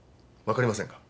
分かりませんね。